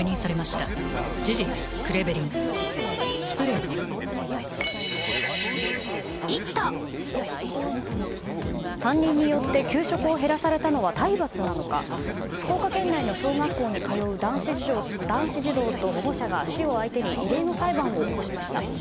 えええぇ⁉ＬＧ２１担任によって給食を減らされたのは体罰なのか福岡県内の小学校に通う男子児童と保護者が市を相手に異例の裁判を起こしました。